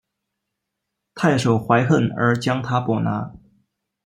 太守怀恨而将他捕拿。